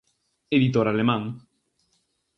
Editor alemán.